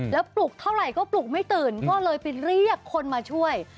แล้วปลุกเท่าไหร่ก็ปลุกไม่ตื่นก็เลยไปเรียกคนมาช่วย